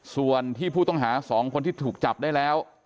ส่วนที่ผู้ต้องหา๒คนที่ถูกจับได้แล้ว